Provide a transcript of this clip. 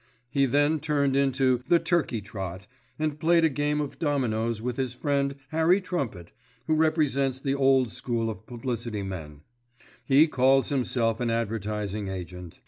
He then turned into "The Turkey Trot" and played a game of dominoes with his friend Harry Trumpet, who represents the old school of publicity men: he calls himself an advertising agent.